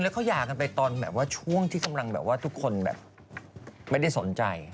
และเขายากันไปตอนช่วงที่คำนังทุกคนแบบไม่ได้สนใจ